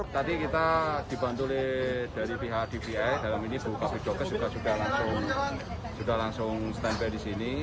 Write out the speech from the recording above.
tadi kita dibantul dari pihak tbi dalam ini bukapu jokers sudah langsung stand by di sini